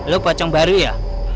lo pocong baru ya